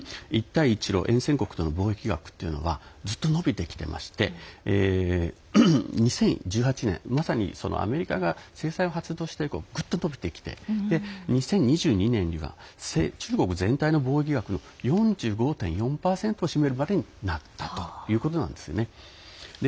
そういうことで実際に一帯一路沿線国との貿易額というのはずっと伸びてきていまして２０１８年アメリカが制裁を発動してぐっと伸びてきて２０２２年には中国全体の貿易額４５．４％を占めるまでになったということなんですね。